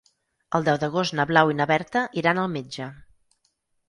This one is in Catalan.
El deu d'agost na Blau i na Berta iran al metge.